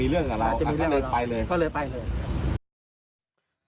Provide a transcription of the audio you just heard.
มีเรื่องกันแล้ว